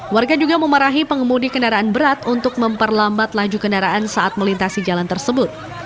warga juga memarahi pengemudi kendaraan berat untuk memperlambat laju kendaraan saat melintasi jalan tersebut